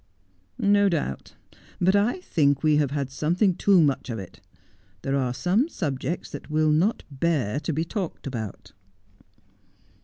' No doubt. But I think we have had something too much of it. There are some subjects that will not bear to be talked about.'